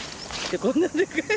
こんなでかい。